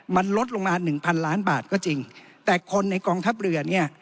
มันลดลงมาหนึ่งพันล้านบาทก็จริงแต่คนในกองทัพเรือเนี่ย